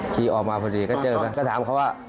ขี่ออกมาพอดีก็เจอกันก็ถามเขาว่า